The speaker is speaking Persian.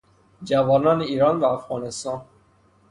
جوانان ایران و افغانستان